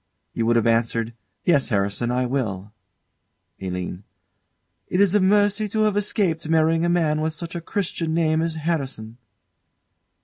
You would have answered, "Yes, Harrison, I will." ALINE. It is a mercy to have escaped marrying a man with such a Christian name as Harrison.